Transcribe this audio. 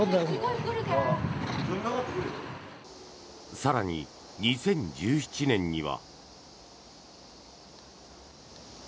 更に２０１７年には。